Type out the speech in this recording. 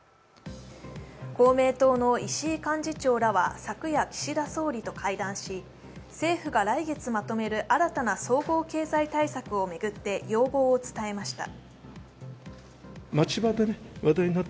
公明党の石井幹事長らは昨夜、岸田総理と会談し政府が来月まとめる新たな総合経済対策を巡って要望を伝えました。